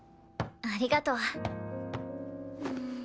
ありがとう。